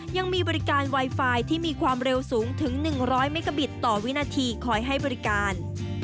ยังมีบริการไวไฟที่มีความเร็วสูงถึง๑๐๐เมกาบิตต่อวินาทีคอยให้บริการ